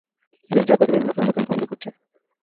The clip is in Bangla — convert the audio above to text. মির্জা প্রতিদিন নতুন, নতুন ফন্দি করছে।